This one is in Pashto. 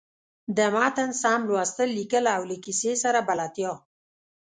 د متن سم لوستل، ليکل او له کیسۍ سره بلدتیا.